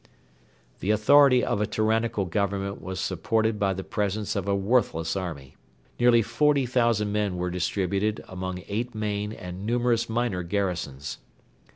The authority of a tyrannical Government was supported by the presence of a worthless army. Nearly forty thousand men were distributed among eight main and numerous minor garrisons.